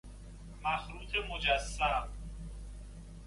مخروط مجسم